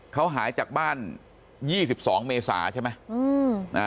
เขาหายจากบ้าน๒๒เมษาใช่ไหม